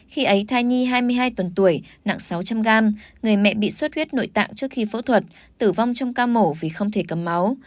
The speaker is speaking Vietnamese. khi ấy thai nhi hai mươi hai tuần tuổi nặng sáu trăm linh gram người mẹ bị suất huyết nội tạng trước khi phẫu thuật tử vong trong ca mổ vì không thể cầm máu